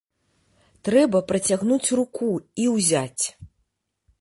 Трэба працягнуць руку і ўзяць.